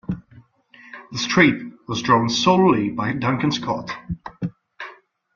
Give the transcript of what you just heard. The strip was drawn solely by Duncan Scott.